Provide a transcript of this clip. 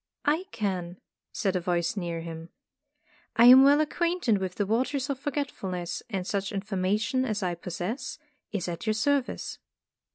"I can," said a voice near him. "I am well acquainted with the Waters of Forget fulness and such information as I possess is at your service."